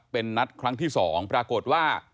เป็นนัดครั้งที่๒ปรากฏว่า